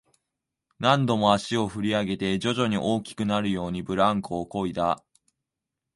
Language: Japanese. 何度も足を振り上げて、徐々に大きくなるように、ブランコをこいだ